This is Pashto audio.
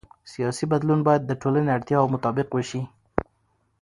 سیاسي بدلون باید د ټولنې اړتیاوو مطابق وشي